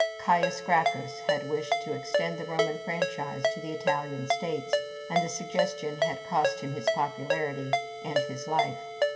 Caius Gracchus had wished to extend the Roman franchise to the Italian states, and the suggestion had cost him his popularity and his life.